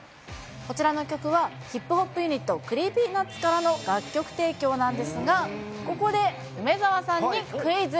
こちらの曲は、ヒップホップユニット、ＣｒｅｅｐｙＮｕｔｓからの楽曲提供なんですが、ここで梅澤さんにクイズ。